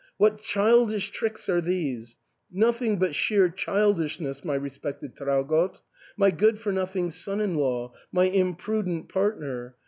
what childish tricks are these ? Nothing but sheer childish ness, my respected Traugott, — my good for nothing son in law — my imprudent partner.